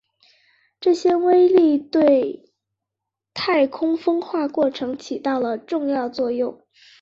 这些微粒对太空风化过程起到了主要作用。